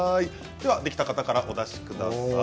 ではできた方からお出しください。